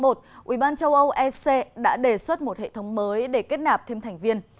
ủy ban châu âu ec đã đề xuất một hệ thống mới để kết nạp thêm thành viên